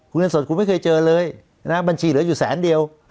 คุณเงินสดคุณไม่เคยเจอเลยนะบัญชีเหลืออยู่แสนเดียว